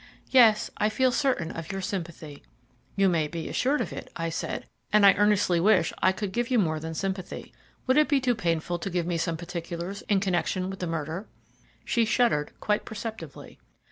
Yes, I feel certain of your sympathy." "You may be assured of it," I said, "and I earnestly wish I could give you more than sympathy. Would it be too painful to give me some particulars in connection with the murder?" She shuddered quite perceptibly.